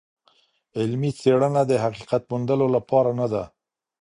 علمي څېړنه د حقیقت موندلو لپاره نده.